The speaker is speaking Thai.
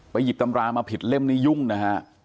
หยิบตำรามาผิดเล่มนี้ยุ่งนะฮะ